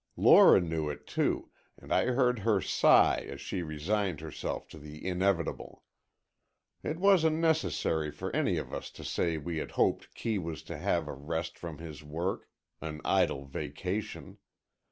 Lora knew it, too, and I heard her sigh as she resigned herself to the inevitable. It wasn't necessary for any of us to say we had hoped Kee was to have a rest from his work, an idle vacation.